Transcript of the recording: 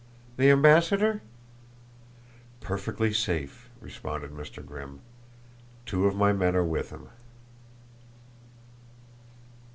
"The ambassador?" "Perfectly safe," responded Mr. Grimm. "Two of my men are with him."